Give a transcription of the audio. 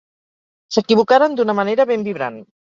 S'equivocaren d'una manera ben vibrant.